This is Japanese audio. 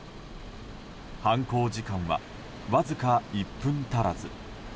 犯行時間はわずか１分足らず。